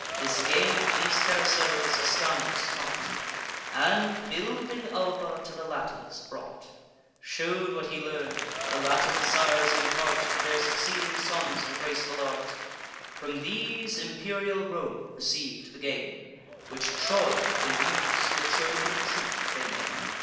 This game, these carousels, Ascanius taught; And, building Alba, to the Latins brought; Shew'd what he learn'd: the Latin sires impart To their succeeding sons the graceful art; From these imperial Rome receiv'd the game, Which Troy, the youths the Trojan troop, they name.